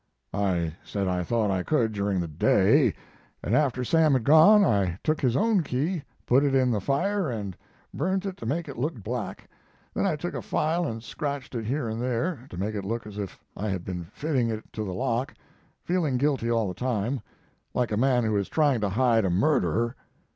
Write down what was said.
"I said I thought I could during the day, and after Sam had gone I took his own key, put it in the fire and burnt it to make it look black. Then I took a file and scratched it here and there, to make it look as if I had been fitting it to the lock, feeling guilty all the time, like a man who is trying to hide a murder.